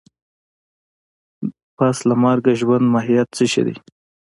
د پس له مرګه ژوند ماهيت څه شی دی؟